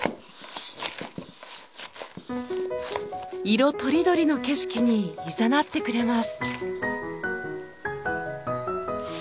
色とりどりの景色にいざなってくれます。